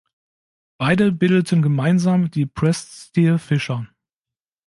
Beide bildeten gemeinsam die "Pressed Steel Fisher".